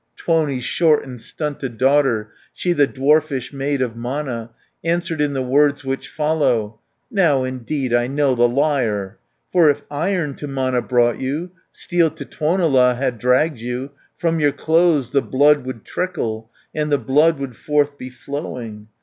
200 Tuoni's short and stunted daughter She the dwarfish maid of Mana, Answered in the words which follow: "Now, indeed, I know the liar! For if iron to Mana brought you, Steel to Tuonela had dragged you. From your clothes the blood would trickle, And the blood would forth be flowing.